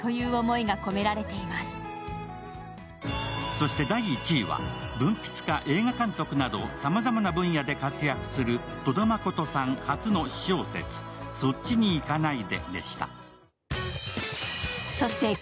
そこには文筆家・映画監督などさまざまな分野で活躍する戸田真琴さん初の私小説「そっちにいかないで」でした。